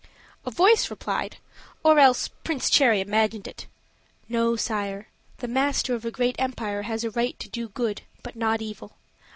A voice replied, or else Prince Cherry imagined it, "No, sire; the master of a great empire has a right to do good, but not evil.